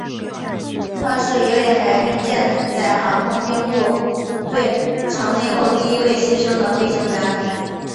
他是海军舰载航空兵部队成立后第一位牺牲的飞行员。